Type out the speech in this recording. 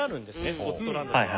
スコットランドには。